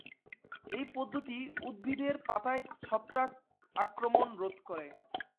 এই পদ্ধতি উদ্ভিদের পাতায় ছত্রাক আক্রমণ রোধ করে।